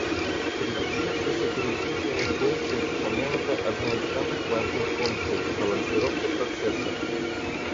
Среди всех вышеперечисленных функций упомянута одна из самых важных функций – балансировка процессов